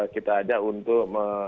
kita ajak untuk mem